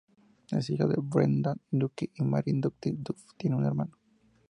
Es hija de Brendan Duff y Mary Doherty-Duff, tiene un hermano.